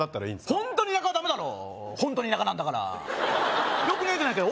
ホントに田舎はダメだろホントに田舎なんだからよくねえじゃないかよ